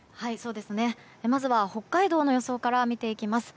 まずは北海道の予想から見ていきます。